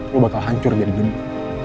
lo bakal hancur jadi gemuk